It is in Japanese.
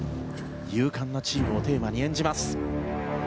勇敢なチームをテーマに演じます。